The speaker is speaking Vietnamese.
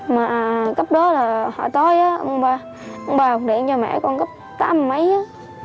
mà gấp đó là hồi tối á mẹ con điện cho mẹ con gấp tám mấy á